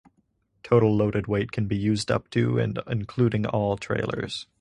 Total loaded weight can be up to and including all trailers.